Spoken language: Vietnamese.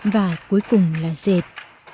và cuối cùng là dệt